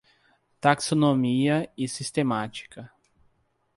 Taxonomia e sistemática